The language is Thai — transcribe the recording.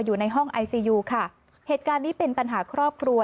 อยู่ในห้องไอซียูค่ะเหตุการณ์นี้เป็นปัญหาครอบครัว